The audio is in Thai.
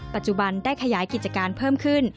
ปัจจุบันได้ขยายกิจการเพิ่มขึ้น